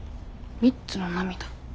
３つの涙？